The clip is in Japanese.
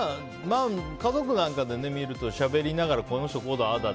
家族なんかで見るとしゃべりながらこの人、ああだ